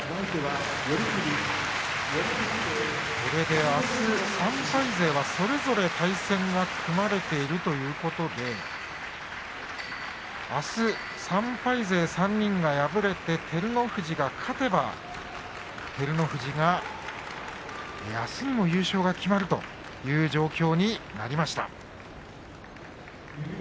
これであす３敗勢はそれぞれ対戦が組まれているということであす３敗勢３人が敗れて照ノ富士が勝てば照ノ富士があすにも優勝が決まるという状況になりました。